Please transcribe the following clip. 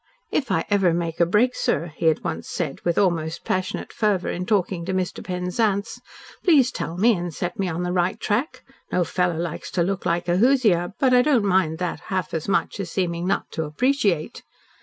"If I ever make a break, sir," he had once said, with almost passionate fervour, in talking to Mr. Penzance, "please tell me, and set me on the right track. No fellow likes to look like a hoosier, but I don't mind that half as much as as seeming not to APPRECIATE."